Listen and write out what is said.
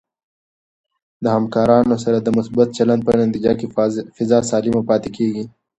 د همکارانو سره د مثبت چلند په نتیجه کې فضا سالمه پاتې کېږي.